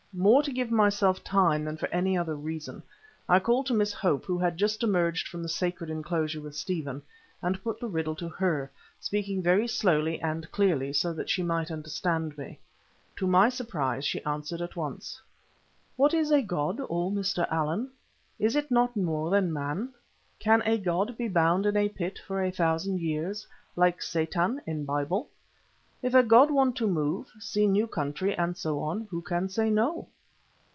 More to give myself time than for any other reason I called to Miss Hope, who had just emerged from the sacred enclosure with Stephen, and put the riddle to her, speaking very slowly and clearly, so that she might understand me. To my surprise she answered at once. "What is a god, O Mr. Allen? Is it not more than man? Can a god be bound in a pit for a thousand years, like Satan in Bible? If a god want to move, see new country and so on, who can say no?"